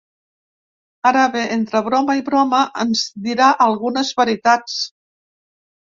Ara bé, entre broma i broma ens dirà algunes veritats.